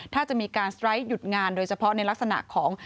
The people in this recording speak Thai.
ถ้าจะมีการสไลด์หยุดงานโดยเฉพาะในลักษณะของ